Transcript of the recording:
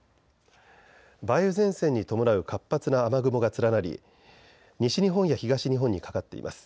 梅雨前線に伴う活発な雨雲が連なり西日本や東日本にかかっています。